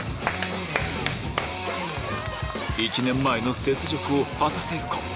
１年前の雪辱を果たせるか？